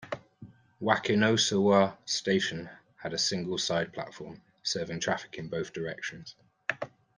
Wakinosawa Station had a single side platform, serving traffic in both directions.